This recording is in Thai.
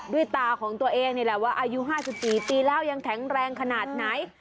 ตาของตัวเองนี่แหละว่าอายุ๕๔ปีแล้วยังแข็งแรงขนาดไหน